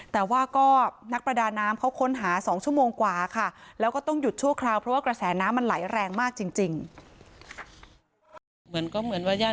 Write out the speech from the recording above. แต่ว่าก็นักประดาน้ำเขาค้นหาสองชั่วโมงกว่าค่ะแล้วก็ต้องหยุดชั่วคราว